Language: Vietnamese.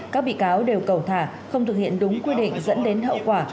các bị cáo đều cầu thả không thực hiện đúng quy định dẫn đến hậu quả